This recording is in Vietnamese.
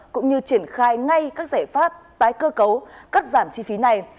cũng như triển khai ngay các giải pháp tái cơ cấu cắt giảm chi phí này